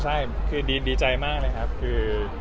ใช่ดีใจมากเลย